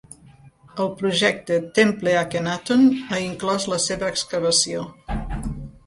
El projecte Temple Akhenaton ha inclòs la seva excavació.